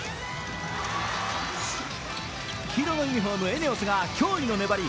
黄色のユニフォーム、ＥＮＥＯＳが驚異の粘り